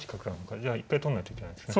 じゃあ一回取んないといけないですね。